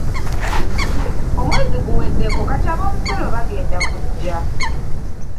Omwezi guweddeko kati ab’omusolo bagenda kujja.